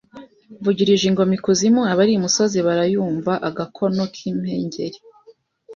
Mvugirije ingoma ikuzimu abari imusozi barayumvaAgakono k'impengeri